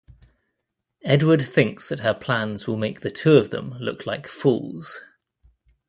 Edward thinks that her plans will make the two of them look like fools.